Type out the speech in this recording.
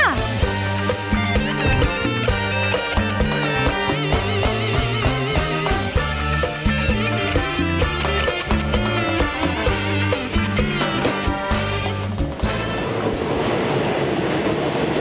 โอ้โฮ